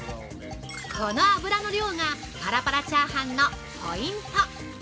◆この油の量がパラパラチャーハンのポイント。